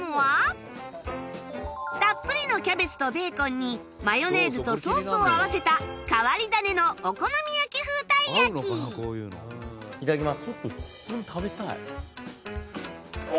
たっぷりのキャベツとベーコンにマヨネーズとソースを合わせた変わり種のお好み焼き風たい焼きいただきます。